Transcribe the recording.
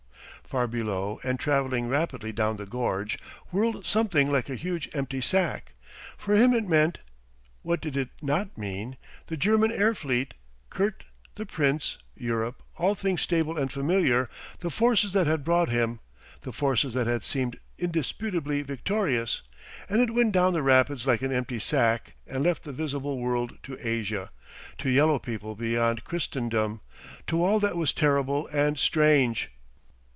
Far below, and travelling rapidly down the gorge, whirled something like a huge empty sack. For him it meant what did it not mean? the German air fleet, Kurt, the Prince, Europe, all things stable and familiar, the forces that had brought him, the forces that had seemed indisputably victorious. And it went down the rapids like an empty sack and left the visible world to Asia, to yellow people beyond Christendom, to all that was terrible and strange!